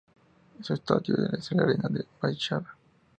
Su estadio es el Arena da Baixada.